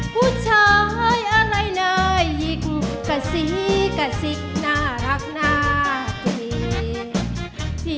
ผู้ชายอะไรนายยิ่งกะซิกะซิกน่ารักน่าจะดี